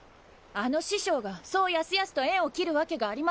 あの師匠がそうやすやすと縁を切るわけがありません。